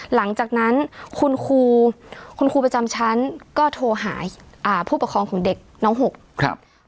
หลังจากนั้นคุณครูประจำชั้นก็โทรหาผู้ประคองของเด็กน้องหก